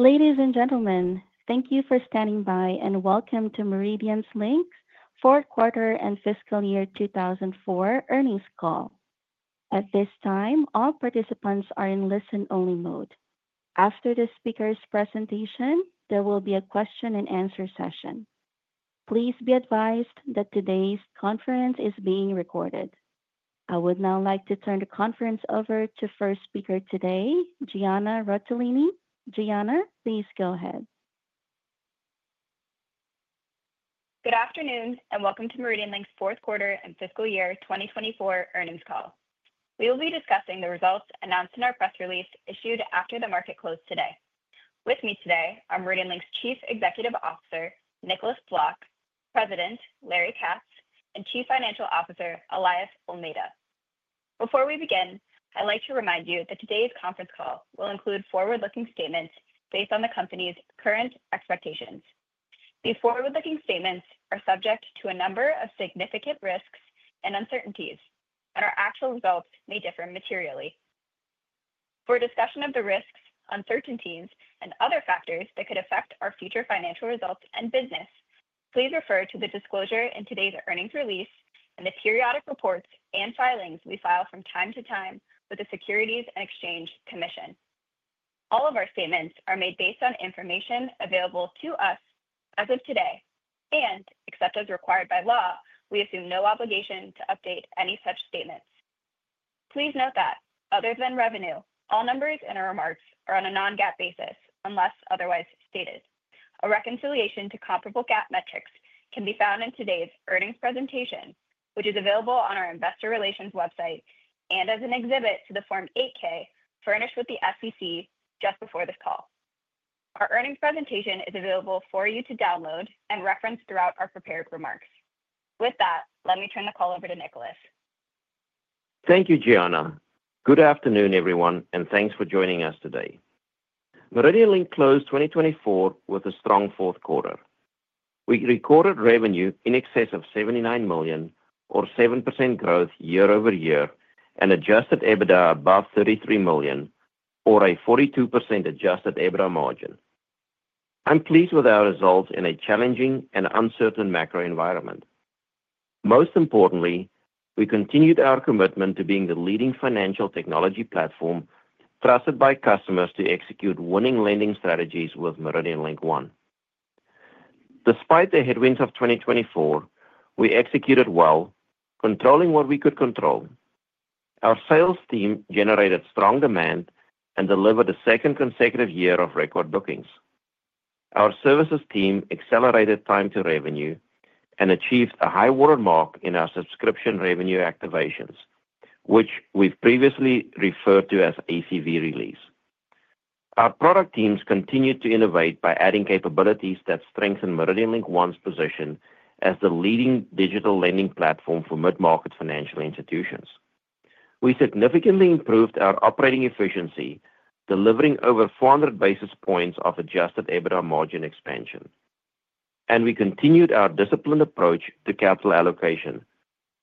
Ladies and gentlemen, thank you for standing by and welcome to MeridianLink's Fourth Quarter and Fiscal Year 2004 Earnings Call. At this time, all participants are in listen-only mode. After the speaker's presentation, there will be a question-and-answer session. Please be advised that today's conference is being recorded. I would now like to turn the conference over to the first speaker today, Gianna Rotellini. Gianna, please go ahead. Good afternoon and welcome to MeridianLink's fourth quarter and fiscal year 2024 earnings call. We will be discussing the results announced in our press release issued after the market closed today. With me today are MeridianLink's Chief Executive Officer, Nicolaas Vlok, President, Larry Katz, and Chief Financial Officer, Elias Olmeta. Before we begin, I'd like to remind you that today's conference call will include forward-looking statements based on the company's current expectations. These forward-looking statements are subject to a number of significant risks and uncertainties, and our actual results may differ materially. For discussion of the risks, uncertainties, and other factors that could affect our future financial results and business, please refer to the disclosure in today's earnings release and the periodic reports and filings we file from time to time with the Securities and Exchange Commission. All of our statements are made based on information available to us as of today, and, except as required by law, we assume no obligation to update any such statements. Please note that, other than revenue, all numbers and remarks are on a non-GAAP basis unless otherwise stated. A reconciliation to comparable GAAP metrics can be found in today's earnings presentation, which is available on our Investor Relations website and as an exhibit to the Form 8-K furnished with the SEC just before this call. Our earnings presentation is available for you to download and reference throughout our prepared remarks. With that, let me turn the call over to Nicolaas. Thank you, Gianna. Good afternoon, everyone, and thanks for joining us today. MeridianLink closed 2024 with a strong fourth quarter. We recorded revenue in excess of $79 million, or 7% growth year-over-year, and adjusted EBITDA above $33 million, or a 42% adjusted EBITDA margin. I'm pleased with our results in a challenging and uncertain macro environment. Most importantly, we continued our commitment to being the leading financial technology platform trusted by customers to execute winning lending strategies with MeridianLink One. Despite the headwinds of 2024, we executed well, controlling what we could control. Our sales team generated strong demand and delivered the second consecutive year of record bookings. Our services team accelerated time to revenue and achieved a high world mark in our subscription revenue activations, which we've previously referred to as ACV release. Our product teams continued to innovate by adding capabilities that strengthen MeridianLink One's position as the leading digital lending platform for mid-market financial institutions. We significantly improved our operating efficiency, delivering over 400 basis points of adjusted EBITDA margin expansion. We continued our disciplined approach to capital allocation,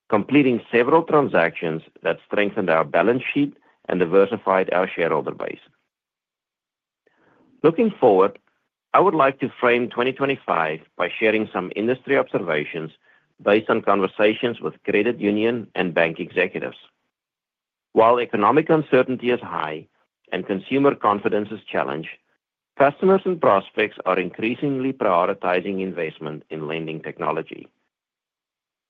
completing several transactions that strengthened our balance sheet and diversified our shareholder base. Looking forward, I would like to frame 2025 by sharing some industry observations based on conversations with credit union and bank executives. While economic uncertainty is high and consumer confidence is challenged, customers and prospects are increasingly prioritizing investment in lending technology.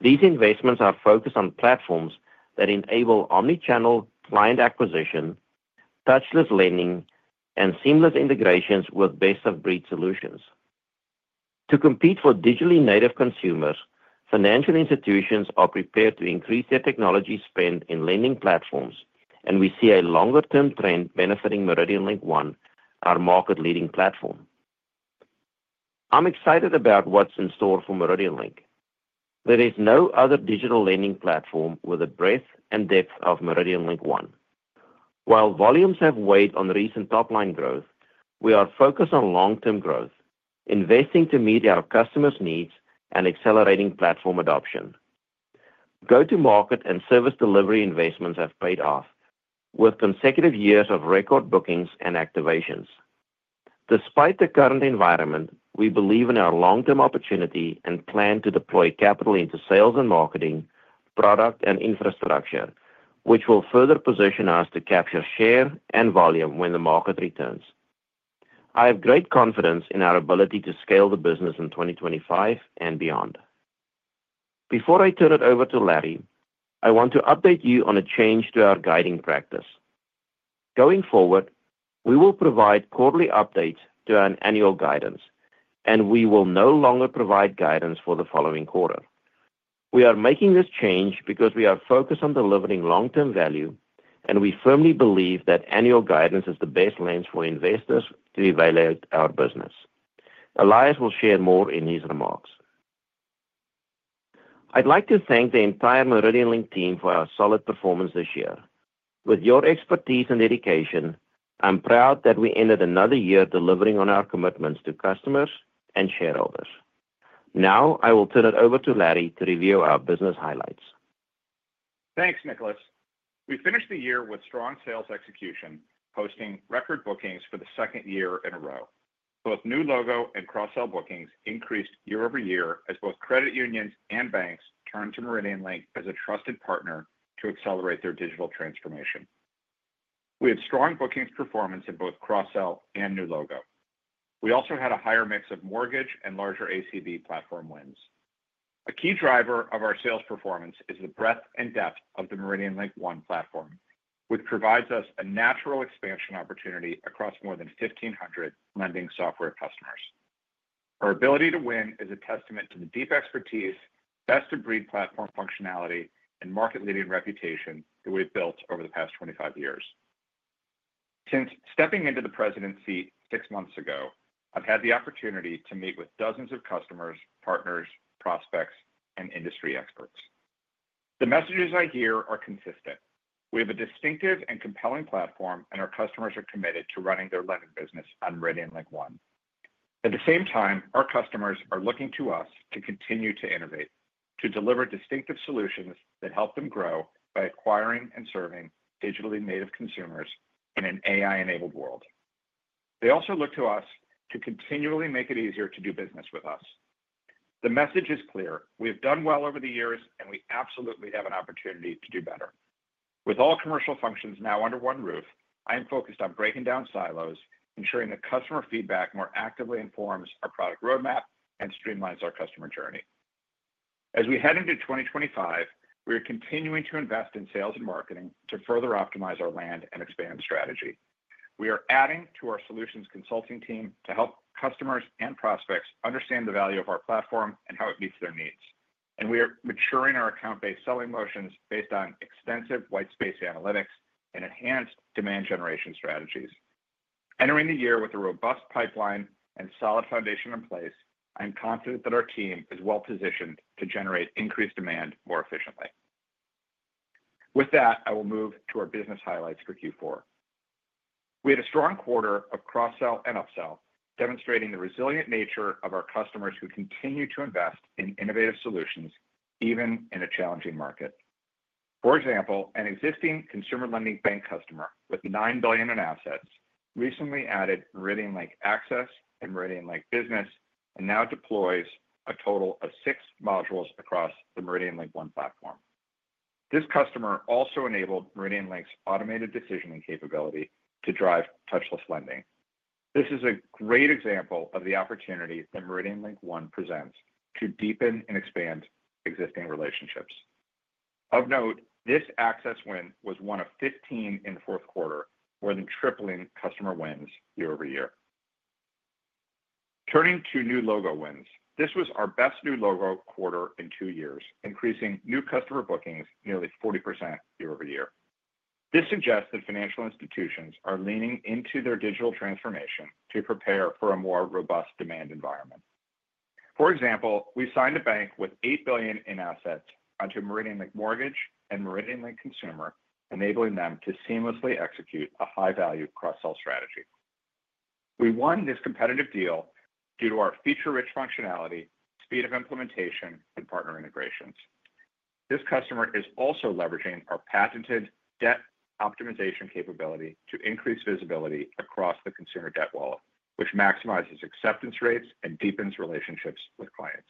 These investments are focused on platforms that enable omni-channel client acquisition, touchless lending, and seamless integrations with best-of-breed solutions. To compete for digitally native consumers, financial institutions are prepared to increase their technology spend in lending platforms, and we see a longer term trend benefiting MeridianLink One, our market-leading platform. I'm excited about what's in store for MeridianLink. There is no other digital lending platform with the breadth and depth of MeridianLink One. While volumes have weighed on recent top-line growth, we are focused on long-term growth, investing to meet our customers' needs and accelerating platform adoption. Go-to-market and service delivery investments have paid off, with consecutive years of record bookings and activations. Despite the current environment, we believe in our long-term opportunity and plan to deploy capital into sales and marketing, product, and infrastructure, which will further position us to capture share and volume when the market returns. I have great confidence in our ability to scale the business in 2025 and beyond. Before I turn it over to Larry, I want to update you on a change to our guiding practice. Going forward, we will provide quarterly updates to our annual guidance, and we will no longer provide guidance for the following quarter. We are making this change because we are focused on delivering long-term value, and we firmly believe that annual guidance is the best lens for investors to evaluate our business. Elias will share more in his remarks. I'd like to thank the entire MeridianLink team for our solid performance this year. With your expertise and dedication, I'm proud that we ended another year delivering on our commitments to customers and shareholders. Now, I will turn it over to Larry to review our business highlights. Thanks, Nicolaas. We finished the year with strong sales execution, posting record bookings for the second year in a row. Both new logo and cross-sell bookings increased year-over-year as both credit unions and banks turned to MeridianLink as a trusted partner to accelerate their digital transformation. We had strong bookings performance in both cross-sell and new logo. We also had a higher mix of mortgage and larger ACV platform wins. A key driver of our sales performance is the breadth and depth of the MeridianLink One platform, which provides us a natural expansion opportunity across more than 1,500 lending software customers. Our ability to win is a testament to the deep expertise, best-of-breed platform functionality, and market-leading reputation that we've built over the past 25 years. Since stepping into the presidency six months ago, I've had the opportunity to meet with dozens of customers, partners, prospects, and industry experts. The messages I hear are consistent. We have a distinctive and compelling platform, and our customers are committed to running their lending business on MeridianLink One. At the same time, our customers are looking to us to continue to innovate, to deliver distinctive solutions that help them grow by acquiring and serving digitally native consumers in an AI-enabled world. They also look to us to continually make it easier to do business with us. The message is clear. We have done well over the years, and we absolutely have an opportunity to do better. With all commercial functions now under one roof, I'm focused on breaking down silos, ensuring that customer feedback more actively informs our product roadmap and streamlines our customer journey. As we head into 2025, we are continuing to invest in sales and marketing to further optimize our land and expand strategy. We are adding to our solutions consulting team to help customers and prospects understand the value of our platform and how it meets their needs. We are maturing our account-based selling motions based on extensive white space analytics and enhanced demand generation strategies. Entering the year with a robust pipeline and solid foundation in place, I'm confident that our team is well-positioned to generate increased demand more efficiently. With that, I will move to our business highlights for Q4. We had a strong quarter of cross-sell and upsell, demonstrating the resilient nature of our customers who continue to invest in innovative solutions even in a challenging market. For example, an existing consumer lending bank customer with $9 billion in assets recently added MeridianLink Access and MeridianLink Business and now deploys a total of six modules across the MeridianLink One platform. This customer also enabled MeridianLink's automated decisioning capability to drive touchless lending. This is a great example of the opportunity that MeridianLink One presents to deepen and expand existing relationships. Of note, this access win was one of 15 in the fourth quarter, more than tripling customer wins year-over-year. Turning to new logo wins, this was our best new logo quarter in two years, increasing new customer bookings nearly 40% year- over-year. This suggests that financial institutions are leaning into their digital transformation to prepare for a more robust demand environment. For example, we signed a bank with $8 billion in assets onto MeridianLink Mortgage and MeridianLink Consumer, enabling them to seamlessly execute a high-value cross-sell strategy. We won this competitive deal due to our feature-rich functionality, speed of implementation, and partner integrations. This customer is also leveraging our patented debt optimization capability to increase visibility across the consumer debt wallet, which maximizes acceptance rates and deepens relationships with clients.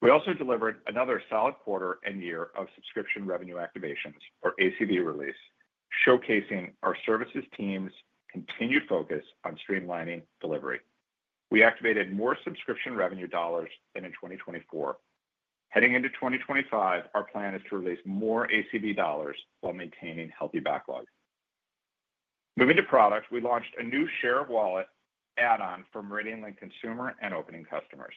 We also delivered another solid quarter and year of subscription revenue activations, or ACV release, showcasing our services team's continued focus on streamlining delivery. We activated more subscription revenue dollars than in 2024. Heading into 2025, our plan is to release more ACV dollars while maintaining healthy backlog. Moving to product, we launched a new share of wallet add-on for MeridianLink Consumer and Opening customers.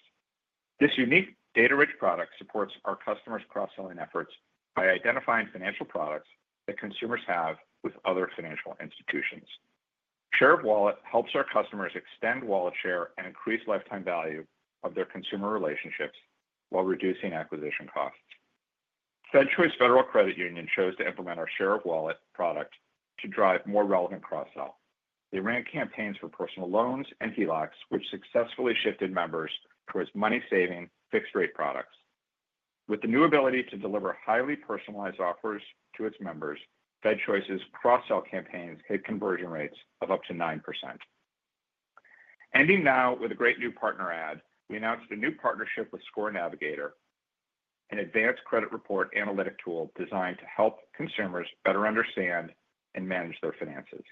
This unique data-rich product supports our customers' cross-selling efforts by identifying financial products that consumers have with other financial institutions. Share of wallet helps our customers extend wallet share and increase lifetime value of their consumer relationships while reducing acquisition costs. FedChoice Federal Credit Union chose to implement our share of wallet product to drive more relevant cross-sell. They ran campaigns for personal loans and HELOCs, which successfully shifted members towards money-saving fixed-rate products. With the new ability to deliver highly personalized offers to its members, FedChoice's cross-sell campaigns hit conversion rates of up to 9%. Ending now with a great new partner ad, we announced a new partnership with ScoreNavigator, an advanced credit report analytic tool designed to help consumers better understand and manage their finances.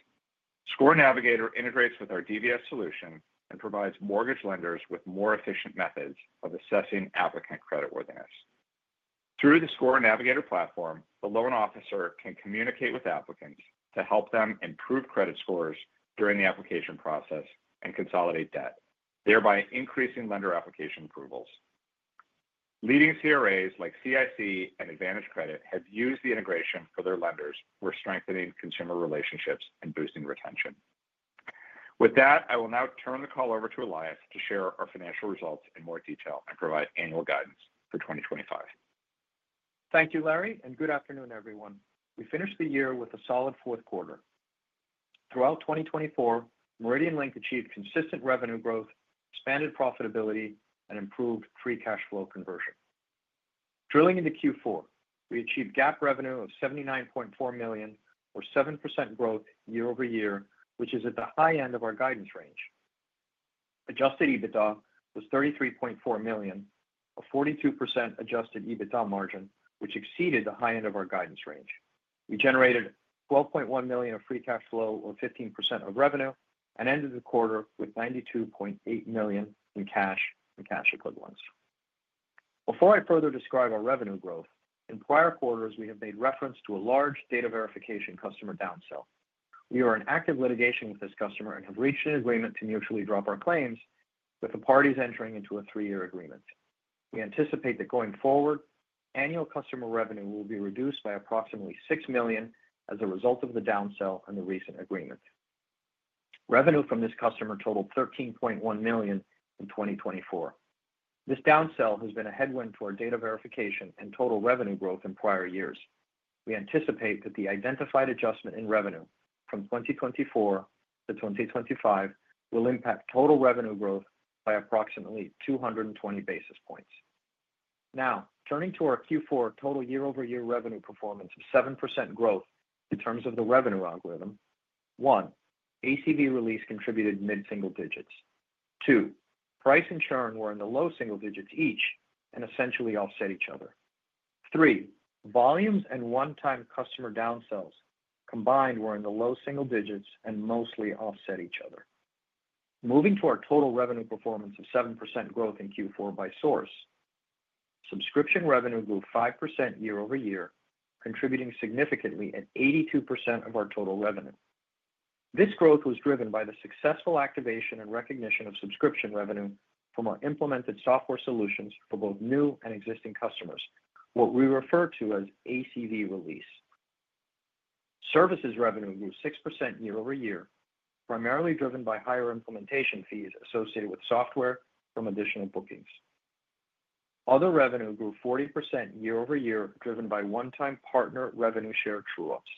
ScoreNavigator integrates with our data verification solutions and provides mortgage lenders with more efficient methods of assessing applicant creditworthiness. Through the ScoreNavigator platform, the loan officer can communicate with applicants to help them improve credit scores during the application process and consolidate debt, thereby increasing lender application approvals. Leading CRAs like CIC and Advantage Credit have used the integration for their lenders for strengthening consumer relationships and boosting retention. With that, I will now turn the call over to Elias to share our financial results in more detail and provide annual guidance for 2025. Thank you, Larry, and good afternoon, everyone. We finished the year with a solid fourth quarter. Throughout 2024, MeridianLink achieved consistent revenue growth, expanded profitability, and improved free cash flow conversion. Drilling into Q4, we achieved GAAP revenue of $79.4 million, or 7% growth year-over-year, which is at the high end of our guidance range. Adjusted EBITDA was $33.4 million, a 42% adjusted EBITDA margin, which exceeded the high end of our guidance range. We generated $12.1 million of free cash flow, or 15% of revenue, and ended the quarter with $92.8 million in cash and cash equivalents. Before I further describe our revenue growth, in prior quarters, we have made reference to a large data verification customer downsell. We are in active litigation with this customer and have reached an agreement to mutually drop our claims, with the parties entering into a three-year agreement. We anticipate that going forward, annual customer revenue will be reduced by approximately $6 million as a result of the downsell and the recent agreement. Revenue from this customer totaled $13.1 million in 2024. This downsell has been a headwind to our data verification and total revenue growth in prior years. We anticipate that the identified adjustment in revenue from 2024 to 2025 will impact total revenue growth by approximately 220 basis points. Now, turning to our Q4 total year-over-year revenue performance of 7% growth in terms of the revenue algorithm. One, ACV release contributed mid-single digits. Two, price and churn were in the low single digits each and essentially offset each other. Three, volumes and one-time customer downsells combined were in the low-single digits and mostly offset each other. Moving to our total revenue performance of 7% growth in Q4 by source, subscription revenue grew 5% year-over-year, contributing significantly at 82% of our total revenue. This growth was driven by the successful activation and recognition of subscription revenue from our implemented software solutions for both new and existing customers, what we refer to as ACV release. Services revenue grew 6% year-over-year, primarily driven by higher implementation fees associated with software from additional bookings. Other revenue grew 40% year-over-year, driven by one-time partner revenue share true-ups.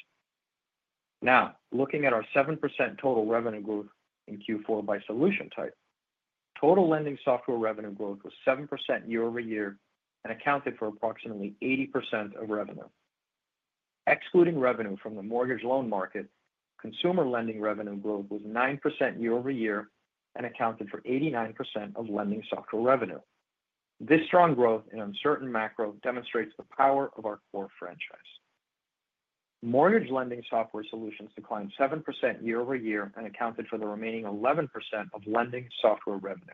Now, looking at our 7% total revenue growth in Q4 by solution type, total lending software revenue growth was 7% year-over-year and accounted for approximately 80% of revenue. Excluding revenue from the mortgage loan market, consumer lending revenue growth was 9% year-over-year and accounted for 89% of lending software revenue. This strong growth in uncertain macro demonstrates the power of our core franchise. Mortgage lending software solutions declined 7% year-over-year and accounted for the remaining 11% of lending software revenue.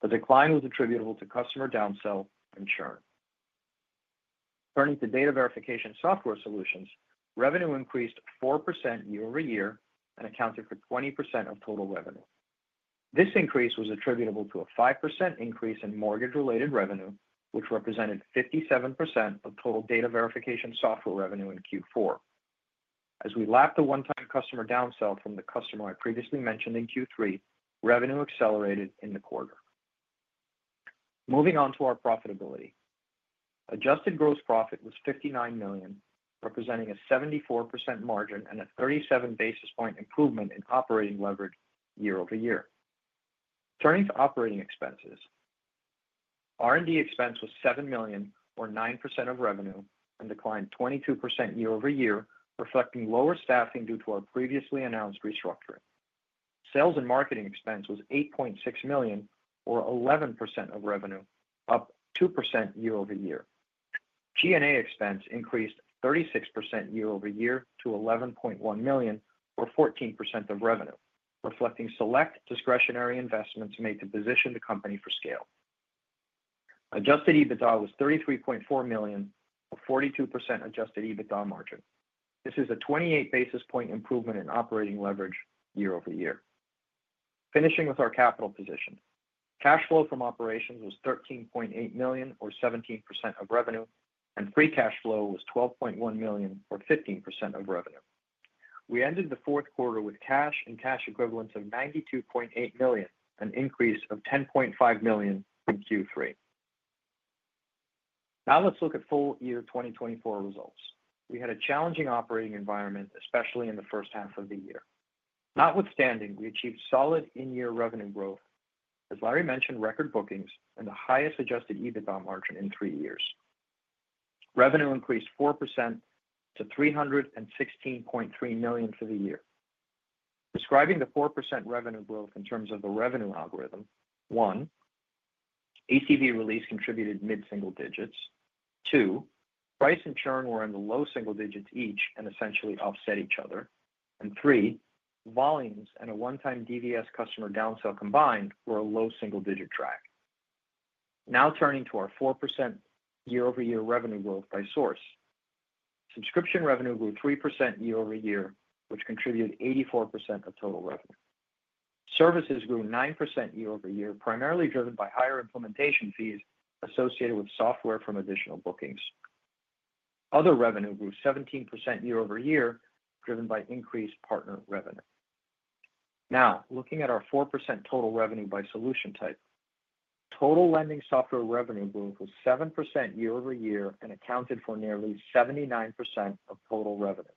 The decline was attributable to customer downsell and churn. Turning to data verification software solutions, revenue increased 4% year-over-year and accounted for 20% of total revenue. This increase was attributable to a 5% increase in mortgage-related revenue, which represented 57% of total data verification software revenue in Q4. As we lapped the one-time customer downsell from the customer I previously mentioned in Q3, revenue accelerated in the quarter. Moving on to our profitability. Adjusted gross profit was $59 million, representing a 74% margin and a 37 basis point improvement in operating leverage year-over-year. Turning to operating expenses, R&D expense was $7 million, or 9% of revenue, and declined 22% year-over-year, reflecting lower staffing due to our previously announced restructuring. Sales and marketing expense was $8.6 million, or 11% of revenue, up 2% year-over-year. G&A expense increased 36% year-over-year to $11.1 million, or 14% of revenue, reflecting select discretionary investments made to position the company for scale. Adjusted EBITDA was $33.4 million, a 42% adjusted EBITDA margin. This is a 28 basis point improvement in operating leverage year-over-year. Finishing with our capital position, cash flow from operations was $13.8 million, or 17% of revenue, and free cash flow was $12.1 million, or 15% of revenue. We ended the fourth quarter with cash and cash equivalents of $92.8 million, an increase of $10.5 million in Q3. Now let's look at full year 2024 results. We had a challenging operating environment, especially in the first half of the year. Notwithstanding, we achieved solid in-year revenue growth. As Larry mentioned, record bookings and the highest adjusted EBITDA margin in three years. Revenue increased 4% to $316.3 million for the year. Describing the 4% revenue growth in terms of the revenue algorithm, one, ACV release contributed mid-single digits. Two, price and churn were in the low-single digits each and essentially offset each other. Three, volumes and a one-time DVS customer downsell combined were a low single-digit track. Now turning to our 4% year-over-year revenue growth by source. Subscription revenue grew 3% year-over-year, which contributed 84% of total revenue. Services grew 9% year-over-year, primarily driven by higher implementation fees associated with software from additional bookings. Other revenue grew 17% year-over-year, driven by increased partner revenue. Now, looking at our 4% total revenue by solution type, total lending software revenue growth was 7% year-over-year and accounted for nearly 79% of total revenue.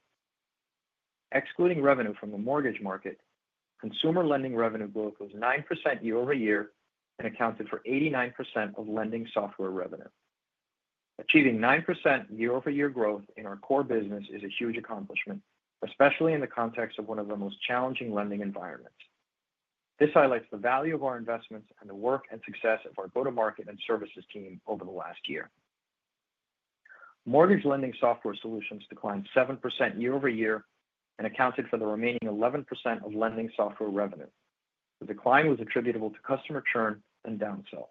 Excluding revenue from the mortgage market, consumer lending revenue growth was 9% year-over-year and accounted for 89% of lending software revenue. Achieving 9% year-over-year growth in our core business is a huge accomplishment, especially in the context of one of the most challenging lending environments. This highlights the value of our investments and the work and success of our go-to-market and services team over the last year. Mortgage lending software solutions declined 7% year-over-year and accounted for the remaining 11% of lending software revenue. The decline was attributable to customer churn and downsell.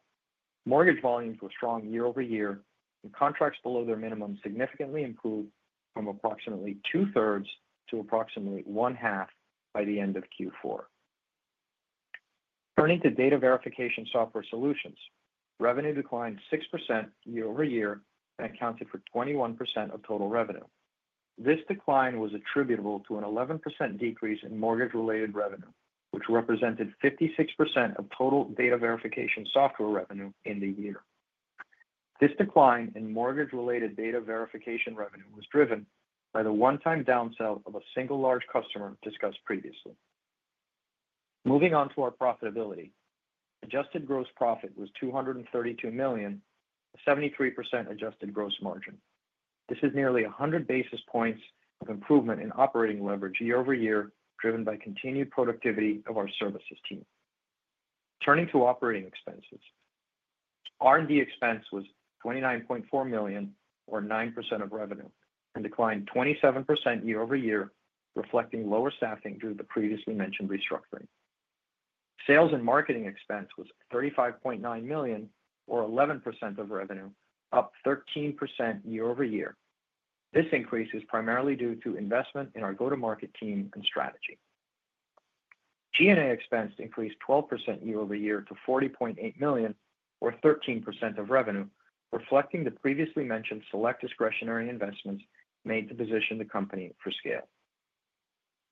Mortgage volumes were strong year-over-year, and contracts below their minimum significantly improved from approximately two-thirds to approximately one-half by the end of Q4. Turning to data verification software solutions, revenue declined 6% year-over-year and accounted for 21% of total revenue. This decline was attributable to an 11% decrease in mortgage-related revenue, which represented 56% of total data verification software revenue in the year. This decline in mortgage-related data verification revenue was driven by the one-time downsell of a single large customer discussed previously. Moving on to our profitability, adjusted gross profit was $232 million, a 73% adjusted gross margin. This is nearly 100 basis points of improvement in operating leverage year-over-year, driven by continued productivity of our services team. Turning to operating expenses, R&D expense was $29.4 million, or 9% of revenue, and declined 27% year-over-year, reflecting lower staffing due to the previously mentioned restructuring. Sales and marketing expense was $35.9 million, or 11% of revenue, up 13% year-over-year. This increase is primarily due to investment in our go-to-market team and strategy. G&A expense increased 12% year-over-year to $40.8 million, or 13% of revenue, reflecting the previously mentioned select discretionary investments made to position the company for scale.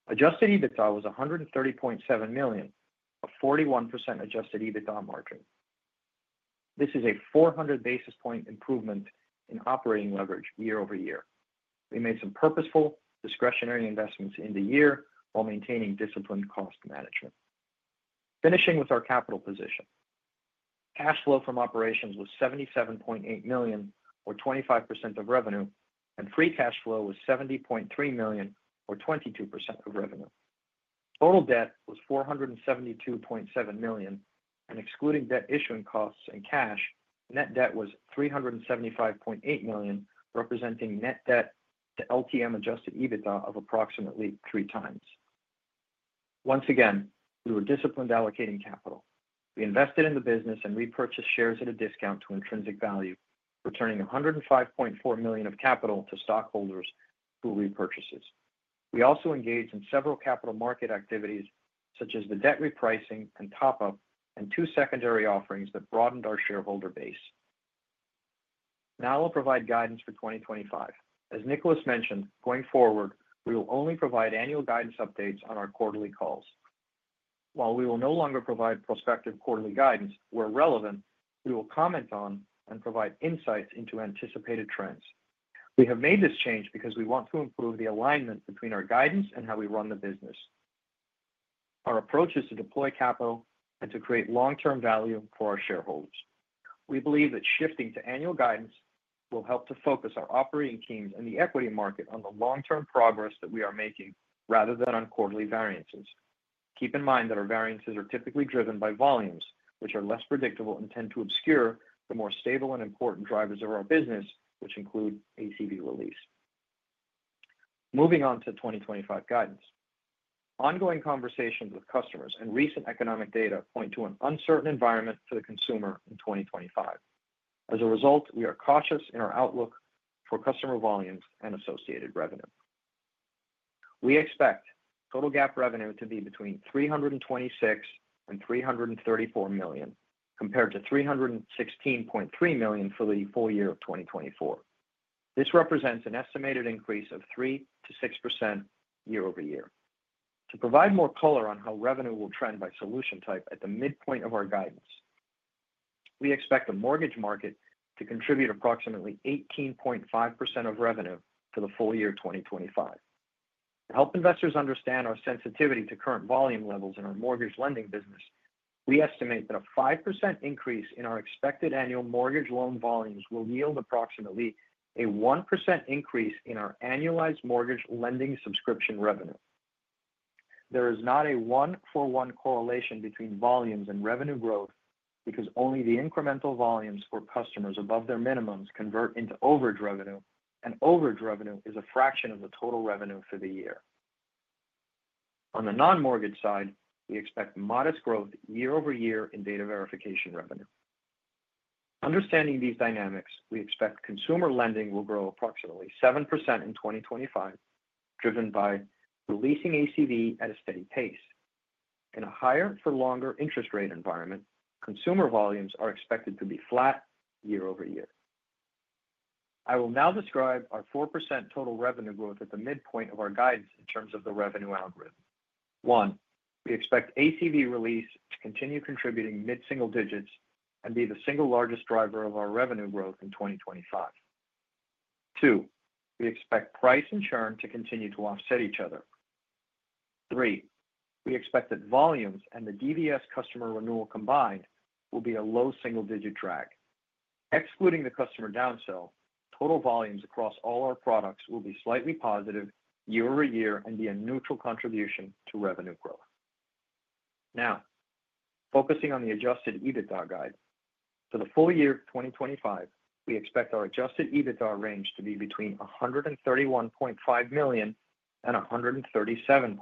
Adjusted EBITDA was $130.7 million, a 41% adjusted EBITDA margin. This is a 400 basis point improvement in operating leverage year-over-year. We made some purposeful discretionary investments in the year while maintaining disciplined cost management. Finishing with our capital position, cash flow from operations was $77.8 million, or 25% of revenue, and free cash flow was $70.3 million, or 22% of revenue. Total debt was $472.7 million, and excluding debt issuing costs and cash, net debt was $375.8 million, representing net debt to LTM adjusted EBITDA of approximately three times. Once again, we were disciplined allocating capital. We invested in the business and repurchased shares at a discount to intrinsic value, returning $105.4 million of capital to stockholders through repurchases. We also engaged in several capital market activities, such as the debt repricing and top-up, and two secondary offerings that broadened our shareholder base. Now I'll provide guidance for 2025. As Nicolaas mentioned, going forward, we will only provide annual guidance updates on our quarterly calls. While we will no longer provide prospective quarterly guidance where relevant, we will comment on and provide insights into anticipated trends. We have made this change because we want to improve the alignment between our guidance and how we run the business. Our approach is to deploy capital and to create long-term value for our shareholders. We believe that shifting to annual guidance will help to focus our operating teams and the equity market on the long-term progress that we are making, rather than on quarterly variances. Keep in mind that our variances are typically driven by volumes, which are less predictable and tend to obscure the more stable and important drivers of our business, which include ACV release. Moving on to 2025 guidance. Ongoing conversations with customers and recent economic data point to an uncertain environment for the consumer in 2025. As a result, we are cautious in our outlook for customer volumes and associated revenue. We expect total GAAP revenue to be between $326 million-$334 million, compared to $316.3 million for the full year of 2024. This represents an estimated increase of 3%-6% year-over-year. To provide more color on how revenue will trend by solution type at the midpoint of our guidance, we expect the mortgage market to contribute approximately 18.5% of revenue for the full year 2025. To help investors understand our sensitivity to current volume levels in our mortgage lending business, we estimate that a 5% increase in our expected annual mortgage loan volumes will yield approximately a 1% increase in our annualized mortgage lending subscription revenue. There is not a one-for-one correlation between volumes and revenue growth because only the incremental volumes for customers above their minimums convert into overage revenue, and overage revenue is a fraction of the total revenue for the year. On the non-mortgage side, we expect modest growth year-over-year in data verification revenue. Understanding these dynamics, we expect consumer lending will grow approximately 7% in 2025, driven by releasing ACV at a steady pace. In a higher-for-longer interest rate environment, consumer volumes are expected to be flat year-over-year. I will now describe our 4% total revenue growth at the midpoint of our guidance in terms of the revenue algorithm. One, we expect ACV release to continue contributing mid-single digits and be the single largest driver of our revenue growth in 2025. Two, we expect price and churn to continue to offset each other. Three, we expect that volumes and the DVS customer renewal combined will be a low single-digit track. Excluding the customer downsell, total volumes across all our products will be slightly positive year-over-year and be a neutral contribution to revenue growth. Now, focusing on the adjusted EBITDA guide, for the full year 2025, we expect our adjusted EBITDA range to be between $131.5 million and $137.5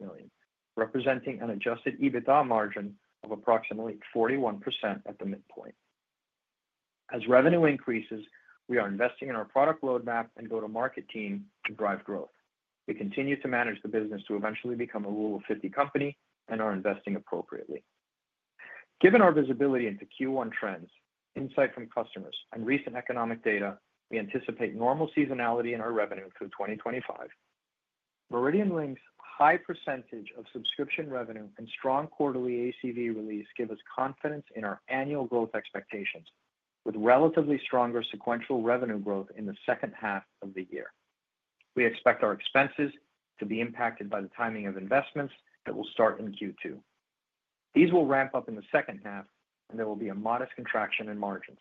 million, representing an adjusted EBITDA margin of approximately 41% at the midpoint. As revenue increases, we are investing in our product roadmap and go-to-market team to drive growth. We continue to manage the business to eventually become a rule-of-50 company and are investing appropriately. Given our visibility into Q1 trends, insight from customers, and recent economic data, we anticipate normal seasonality in our revenue through 2025. MeridianLink's high percentage of subscription revenue and strong quarterly ACV release give us confidence in our annual growth expectations, with relatively stronger sequential revenue growth in the second half of the year. We expect our expenses to be impacted by the timing of investments that will start in Q2. These will ramp up in the second half, and there will be a modest contraction in margins.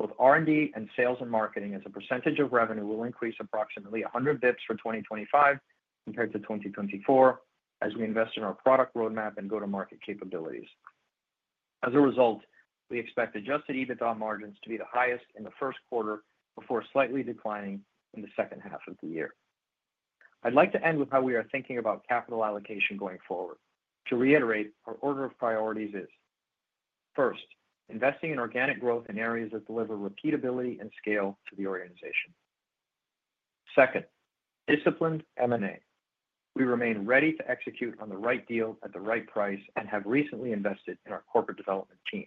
Both R&D and sales and marketing, as a percentage of revenue, will increase approximately 100 basis points for 2025 compared to 2024, as we invest in our product roadmap and go-to-market capabilities. As a result, we expect adjusted EBITDA margins to be the highest in the first quarter before slightly declining in the second half of the year. I'd like to end with how we are thinking about capital allocation going forward. To reiterate, our order of priorities is: first, investing in organic growth in areas that deliver repeatability and scale to the organization. Second, disciplined M&A. We remain ready to execute on the right deal at the right price and have recently invested in our corporate development team.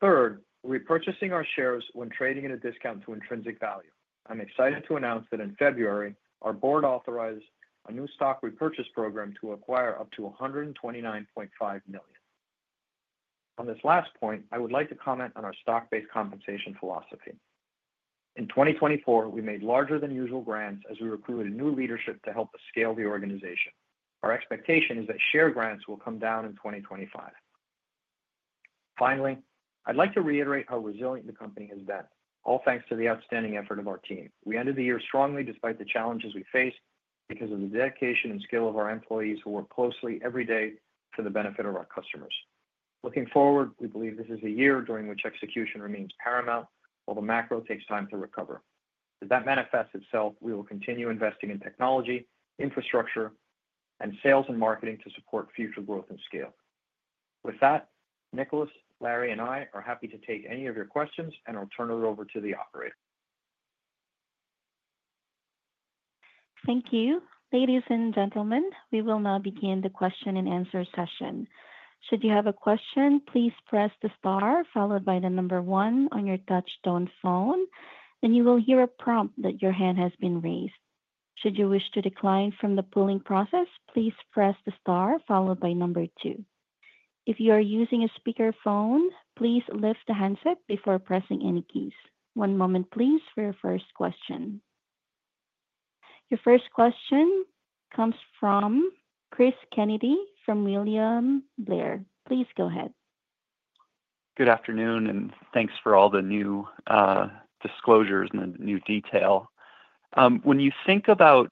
Third, repurchasing our shares when trading at a discount to intrinsic value. I'm excited to announce that in February, our board authorized a new stock repurchase program to acquire up to $129.5 million. On this last point, I would like to comment on our stock-based compensation philosophy. In 2024, we made larger-than-usual grants as we recruited new leadership to help scale the organization. Our expectation is that share grants will come down in 2025. Finally, I'd like to reiterate how resilient the company has been, all thanks to the outstanding effort of our team. We ended the year strongly despite the challenges we faced because of the dedication and skill of our employees who work closely every day for the benefit of our customers. Looking forward, we believe this is a year during which execution remains paramount while the macro takes time to recover. As that manifests itself, we will continue investing in technology, infrastructure, and sales and marketing to support future growth and scale. With that, Nicolaas, Larry, and I are happy to take any of your questions and will turn it over to the operator. Thank you. Ladies and gentlemen, we will now begin the question-and-answer session. Should you have a question, please press the star followed by the number one on your touchstone phone, and you will hear a prompt that your hand has been raised. Should you wish to decline from the polling process, please press the star followed by number two. If you are using a speakerphone, please lift the handset before pressing any keys. One moment, please, for your first question. Your first question comes from Cris Kennedy from William Blair. Please go ahead. Good afternoon, and thanks for all the new disclosures and the new detail. When you think about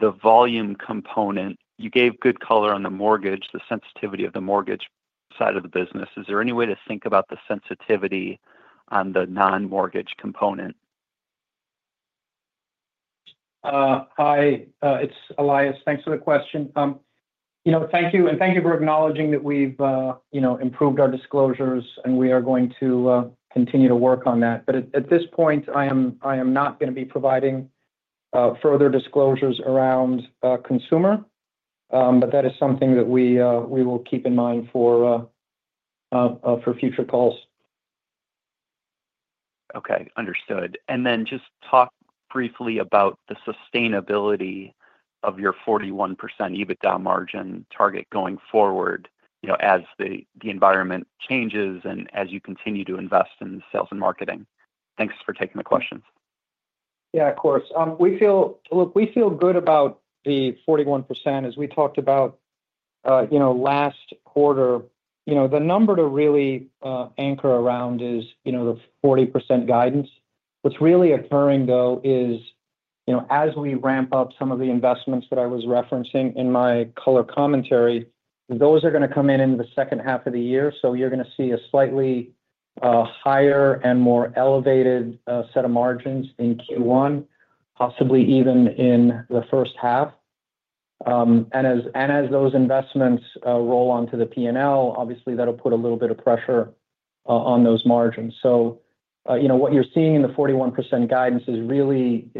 the volume component, you gave good color on the mortgage, the sensitivity of the mortgage side of the business. Is there any way to think about the sensitivity on the non-mortgage component? Hi, it's Elias. Thanks for the question. Thank you, and thank you for acknowledging that we've improved our disclosures, and we are going to continue to work on that. At this point, I am not going to be providing further disclosures around consumer, but that is something that we will keep in mind for future calls. Okay, understood. Just talk briefly about the sustainability of your 41% EBITDA margin target going forward as the environment changes and as you continue to invest in sales and marketing. Thanks for taking the questions. Yeah, of course. Look, we feel good about the 41%. As we talked about last quarter, the number to really anchor around is the 40% guidance. What's really occurring, though, is as we ramp up some of the investments that I was referencing in my color commentary, those are going to come in in the second half of the year. You are going to see a slightly higher and more elevated set of margins in Q1, possibly even in the first half. As those investments roll onto the P&L, obviously, that will put a little bit of pressure on those margins. What you are seeing in the 41% guidance is really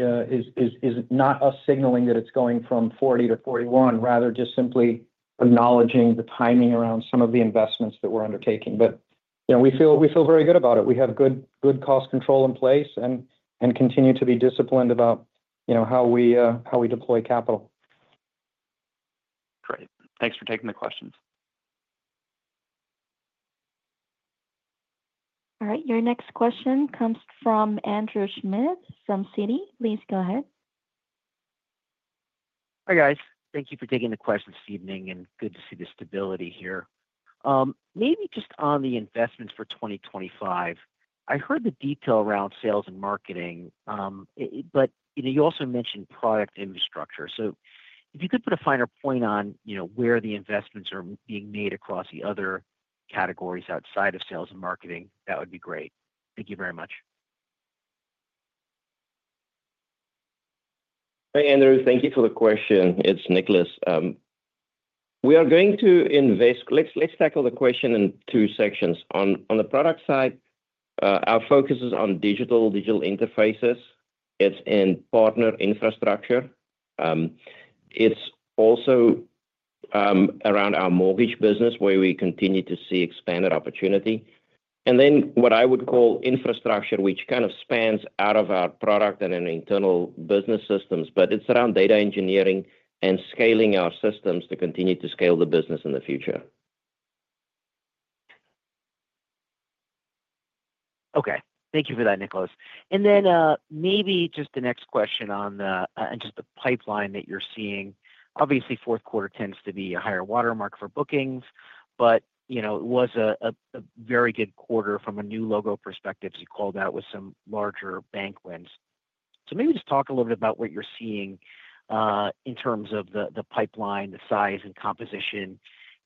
not us signaling that it is going from 40% to 41%, rather just simply acknowledging the timing around some of the investments that we are undertaking. We feel very good about it. We have good cost control in place and continue to be disciplined about how we deploy capital. Great. Thanks for taking the questions. All right, your next question comes from Andrew Schmidt from Citi. Please go ahead. Hi, guys. Thank you for taking the questions this evening, and good to see the stability here. Maybe just on the investments for 2025, I heard the detail around sales and marketing, but you also mentioned product infrastructure. If you could put a finer point on where the investments are being made across the other categories outside of sales and marketing, that would be great. Thank you very much. Hey, Andrew, thank you for the question. It's Nicolaas. We are going to invest—let's tackle the question in two sections. On the product side, our focus is on digital digital interfaces. It's in partner infrastructure. It's also around our mortgage business, where we continue to see expanded opportunity. What I would call infrastructure, which kind of spans out of our product and internal business systems, but it's around data engineering and scaling our systems to continue to scale the business in the future. Thank you for that, Nicolaas. Maybe just the next question on just the pipeline that you're seeing. Obviously, fourth quarter tends to be a higher watermark for bookings, but it was a very good quarter from a new logo perspective, as you called out, with some larger bank wins. Maybe just talk a little bit about what you're seeing in terms of the pipeline, the size, and composition,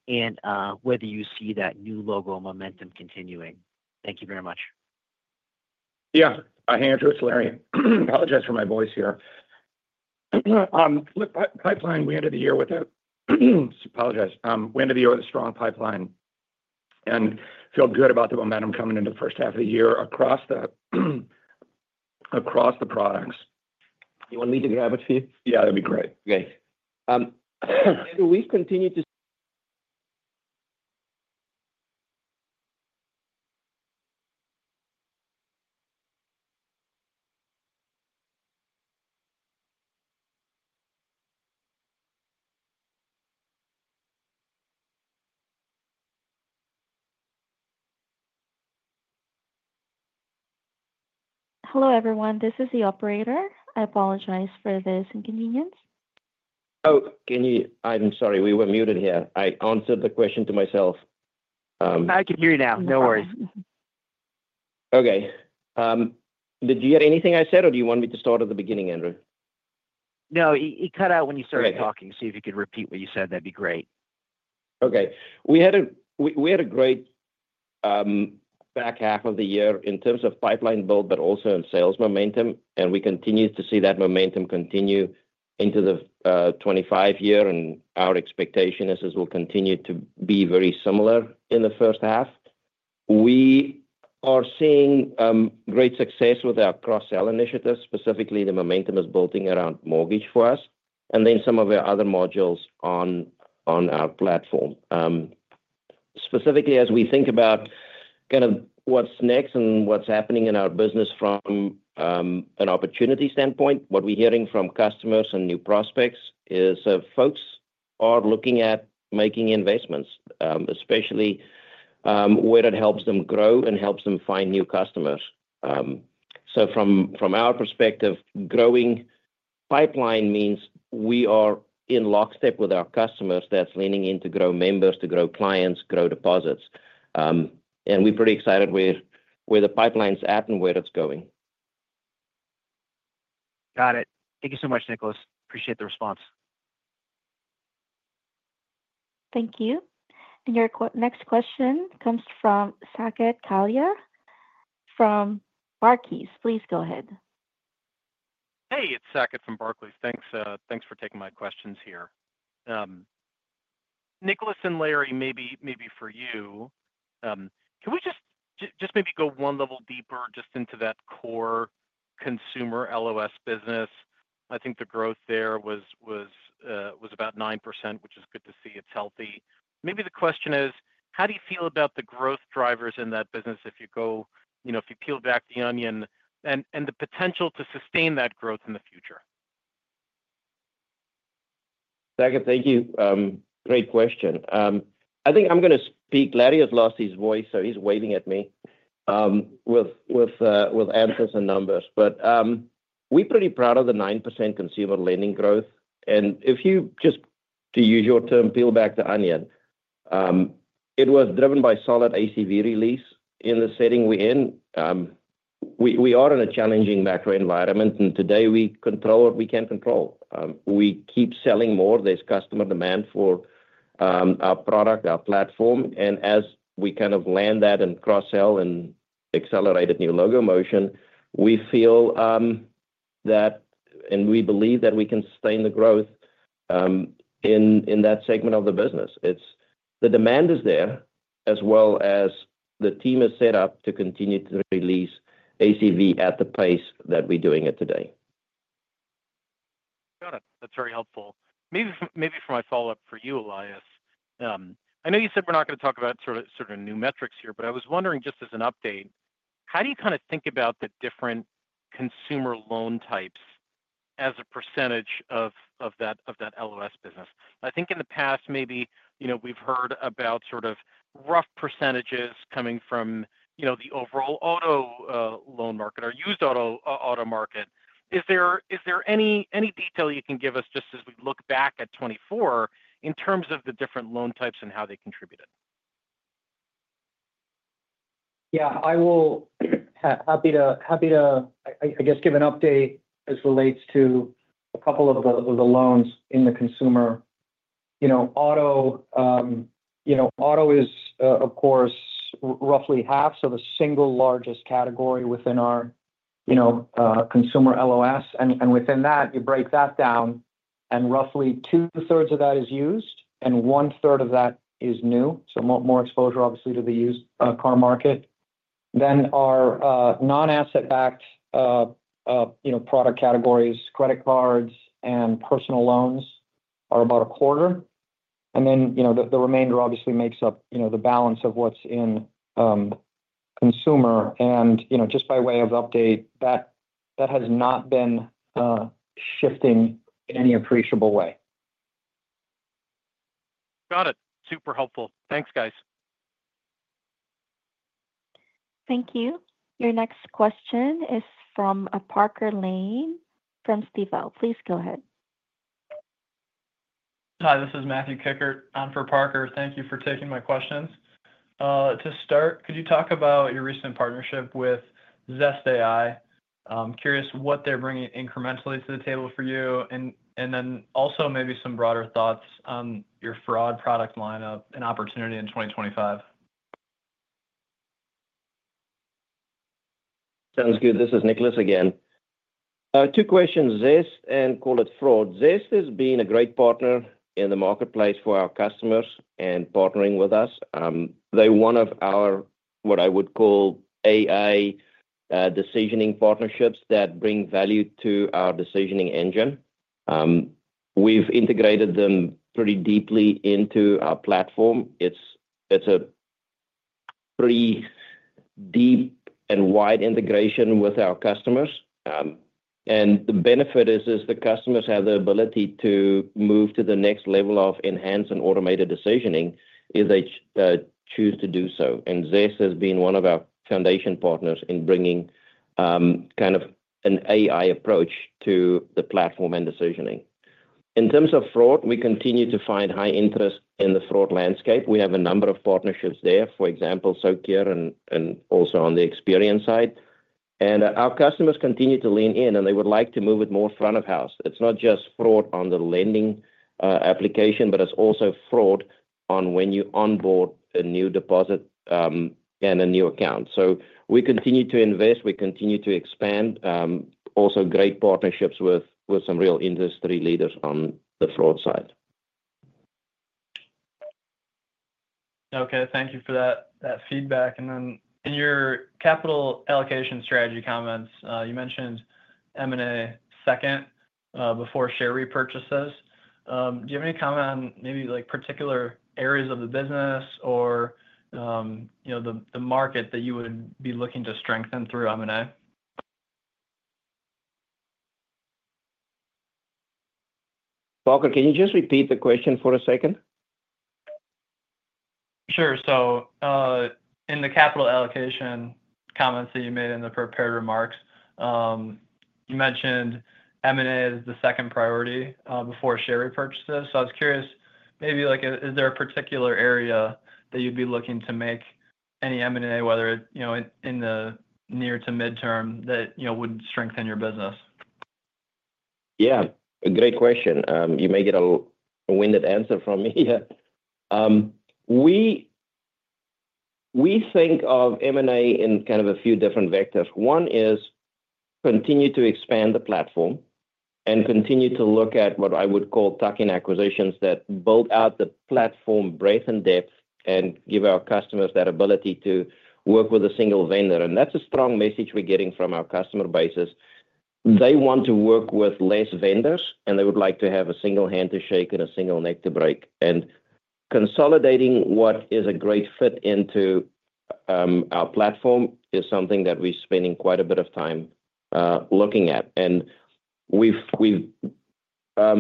and whether you see that new logo momentum continuing. Thank you very much. Yeah, hi Andrew, it's Larry. Apologize for my voice here. Look, pipeline, we ended the year with a—apologize—we ended the year with a strong pipeline and feel good about the momentum coming into the first half of the year across the products. You want me to grab it for you? Yeah, that'd be great. Okay. We continue to— Hello everyone, this is the operator. I apologize for the inconvenience. Oh, can you—I'm sorry, we were muted here. I answered the question to myself. I can hear you now. No worries. Okay. Did you hear anything I said, or do you want me to start at the beginning, Andrew? No, it cut out when you started talking. See if you could repeat what you said, that'd be great. Okay. We had a great back half of the year in terms of pipeline build, but also in sales momentum, and we continue to see that momentum continue into the 2025 year, and our expectation is this will continue to be very similar in the first half. We are seeing great success with our cross-sell initiatives, specifically the momentum is building around mortgage for us, and then some of our other modules on our platform. Specifically, as we think about kind of what's next and what's happening in our business from an opportunity standpoint, what we're hearing from customers and new prospects is folks are looking at making investments, especially where it helps them grow and helps them find new customers. From our perspective, growing pipeline means we are in lockstep with our customers that's leaning into grow members, to grow clients, grow deposits. We're pretty excited where the pipeline's at and where it's going. Got it. Thank you so much, Nicolaas. Appreciate the response. Thank you. Your next quetion comes from Saket Kalia from Barclays. Please go ahead. Hey, it's Saket from Barclays. Thanks for taking my questions here. Nicolaas and Larry, maybe for you, can we just maybe go one level deeper just into that core consumer LOS business? I think the growth there was about 9%, which is good to see. It's healthy. Maybe the question is, how do you feel about the growth drivers in that business if you peel back the onion and the potential to sustain that growth in the future? Saaket, thank you. Great question. I think I'm going to speak—Larry has lost his voice, so he's waving at me with answers and numbers. We're pretty proud of the 9% consumer lending growth. If you just, to use your term, peel back the onion, it was driven by solid ACV release in the setting we're in. We are in a challenging macro environment, and today we control what we can control. We keep selling more. There's customer demand for our product, our platform. As we kind of land that and cross-sell and accelerate a new logo motion, we feel that, and we believe that we can sustain the growth in that segment of the business. The demand is there, as well as the team is set up to continue to release ACV at the pace that we're doing it today. Got it. That's very helpful. Maybe for my follow-up for you, Elias, I know you said we're not going to talk about sort of new metrics here, but I was wondering just as an update, how do you kind of think about the different consumer loan types as a percentage of that LOS business? I think in the past, maybe we've heard about sort of rough percentages coming from the overall auto loan market or used auto market. Is there any detail you can give us just as we look back at 2024 in terms of the different loan types and how they contributed? Yeah, I will be happy to, I guess, give an update as it relates to a couple of the loans in the consumer auto. Auto is, of course, roughly half of the single largest category within our consumer LOS. Within that, you break that down, and roughly two-thirds of that is used, and one-third of that is new. More exposure, obviously, to the used car market. Our non-asset-backed product categories, credit cards and personal loans, are about a quarter. The remainder obviously makes up the balance of what is in consumer. Just by way of update, that has not been shifting in any appreciable way. Got it. Super helpful. Thanks, guys. Thank you. Your next question is from Parker Lane from Stifel. Please go ahead. Hi, this is Matthew Kikkert. I am for Parker. Thank you for taking my questions. To start, could you talk about your recent partnership with Zest AI? I am curious what they are bringing incrementally to the table for you, and then also maybe some broader thoughts on your fraud product lineup and opportunity in 2025. Sounds good. This is Nicolaas again. Two questions, Zest and call it fraud. Zest has been a great partner in the marketplace for our customers and partnering with us. They're one of our, what I would call, AI decisioning partnerships that bring value to our decisioning engine. We've integrated them pretty deeply into our platform. It's a pretty deep and wide integration with our customers. The benefit is the customers have the ability to move to the next level of enhanced and automated decisioning if they choose to do so. Zest has been one of our foundation partners in bringing kind of an AI approach to the platform and decisioning. In terms of fraud, we continue to find high interest in the fraud landscape. We have a number of partnerships there, for example, Socure and also on the Experian side. Our customers continue to lean in, and they would like to move it more front of house. It's not just fraud on the lending application, but it's also fraud on when you onboard a new deposit and a new account. We continue to invest. We continue to expand. Also, great partnerships with some real industry leaders on the fraud side. Thank you for that feedback. In your capital allocation strategy comments, you mentioned M&A second before share repurchases. Do you have any comment on maybe particular areas of the business or the market that you would be looking to strengthen through M&A? Parker, can you just repeat the question for a second? Sure. In the capital allocation comments that you made in the prepared remarks, you mentioned M&A is the second priority before share repurchases. I was curious, maybe is there a particular area that you'd be looking to make any M&A, whether it's in the near to midterm, that would strengthen your business? Yeah, great question. You may get a winded answer from me. We think of M&A in kind of a few different vectors. One is continue to expand the platform and continue to look at what I would call tuck-in acquisitions that build out the platform breadth and depth and give our customers that ability to work with a single vendor. That's a strong message we're getting from our customer bases. They want to work with less vendors, and they would like to have a single hand to shake and a single neck to break. Consolidating what is a great fit into our platform is something that we're spending quite a bit of time looking at. We have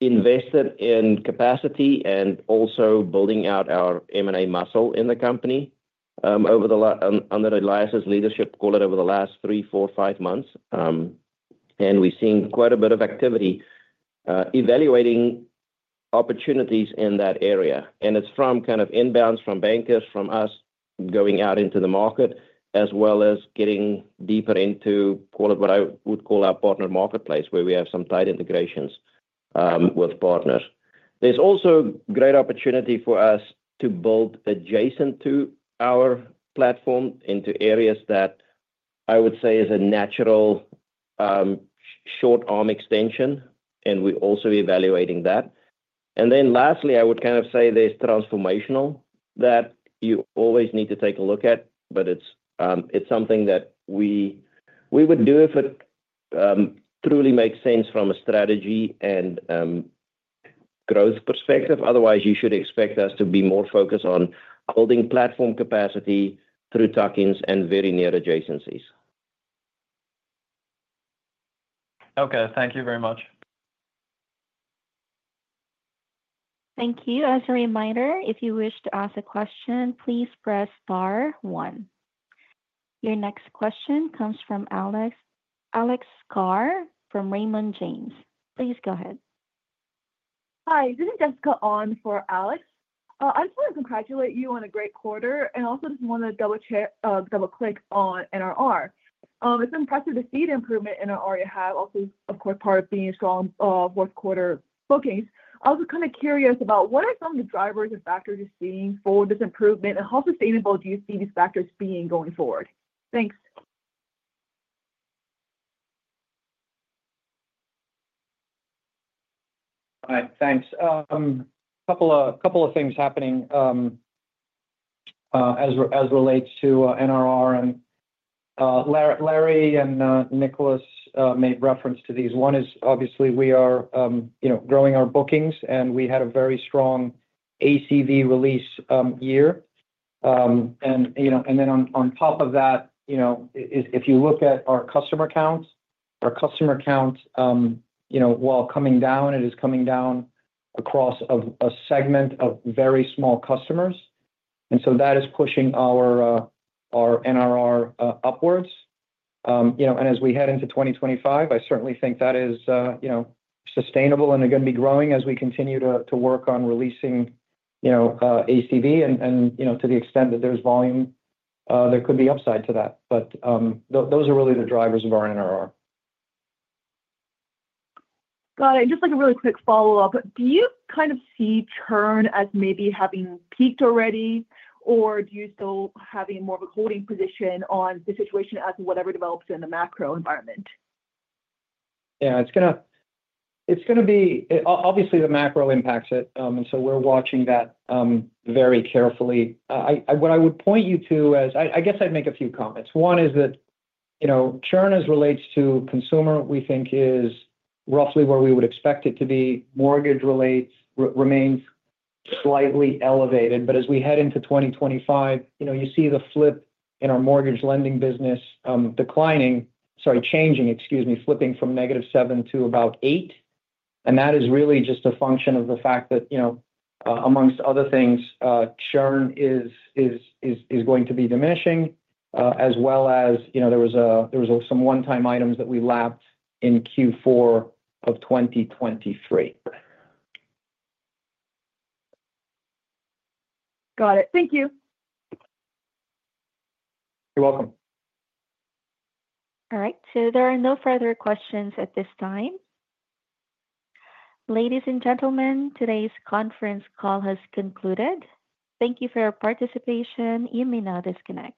invested in capacity and also building out our M&A muscle in the company under Elias's leadership, call it over the last three, four, five months. We are seeing quite a bit of activity evaluating opportunities in that area. It is from kind of inbounds from bankers, from us going out into the market, as well as getting deeper into, call it what I would call our partner marketplace, where we have some tight integrations with partners. There is also great opportunity for us to build adjacent to our platform into areas that I would say is a natural short-arm extension, and we are also evaluating that. Lastly, I would kind of say there is transformational that you always need to take a look at, but it is something that we would do if it truly makes sense from a strategy and growth perspective. Otherwise, you should expect us to be more focused on building platform capacity through tuck-ins and very near adjacencies. Okay, thank you very much. Thank you. As a reminder, if you wish to ask a question, please press star one. Your next question comes from Alex Scar from Raymond James. Please go ahead. Hi, this is Jessica on for Alex. I just want to congratulate you on a great quarter, and also just want to double-click on NRR. It's impressive to see the improvement in NRR you have, also, of course, part of being a strong fourth-quarter bookings. I was kind of curious about what are some of the drivers and factors you're seeing for this improvement, and how sustainable do you see these factors being going forward? Thanks. All right, thanks. A couple of things happening as it relates to NRR. Larry and Nicolaas made reference to these. One is, obviously, we are growing our bookings, and we had a very strong ACV release year. On top of that, if you look at our customer counts, our customer count, while coming down, it is coming down across a segment of very small customers. That is pushing our NRR upwards. As we head into 2025, I certainly think that is sustainable, and they're going to be growing as we continue to work on releasing ACV. To the extent that there is volume, there could be upside to that. Those are really the drivers of our NRR. Got it. Just like a really quick follow-up, do you kind of see churn as maybe having peaked already, or do you still have more of a holding position on the situation as to whatever develops in the macro environment? Yeah, it's going to be obviously, the macro impacts it. We're watching that very carefully. What I would point you to is, I guess I'd make a few comments. One is that churn, as it relates to consumer, we think is roughly where we would expect it to be. Mortgage rate remains slightly elevated. As we head into 2025, you see the flip in our mortgage lending business declining, sorry, changing, excuse me, flipping from negative seven to about eight. That is really just a function of the fact that, amongst other things, churn is going to be diminishing, as well as there were some one-time items that we lapped in Q4 of 2023. Got it. Thank you. You're welcome. All right. There are no further questions at this time. Ladies and gentlemen, today's conference call has concluded. Thank you for your participation. You may now disconnect.